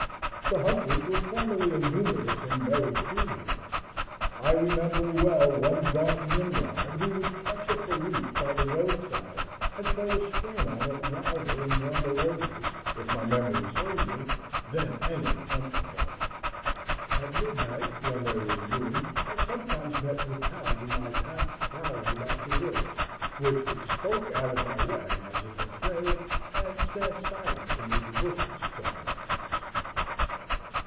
The hunters were formerly a numerous and merry crew here. I remember well one gaunt Nimrod who would catch up a leaf by the road side and play a strain on it wilder and more melodious, if my memory serves me, than any hunting horn. At midnight, when there was a moon, I sometimes met with hounds in my path prowling about the woods, which would skulk out of my way, as if afraid, and stand silent amid the bushes till I had passed.